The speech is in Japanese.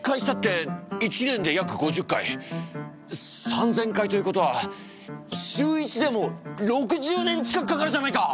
３，０００回ということは週１でも６０年近くかかるじゃないか！